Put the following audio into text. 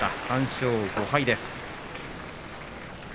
３勝５敗です。